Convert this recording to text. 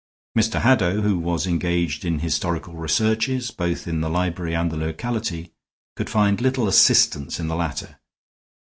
Mr. Haddow, who was engaged in historical researches both in the library and the locality, could find little assistance in the latter.